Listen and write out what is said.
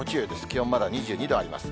気温まだ２２度あります。